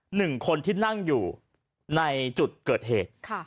หนึ่งคนที่นั่งอยู่ในจุดเกิดเหตุค่ะ